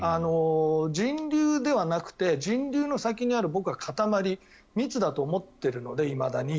人流ではなくて人流の先にある固まり密だと思っているのでいまだに。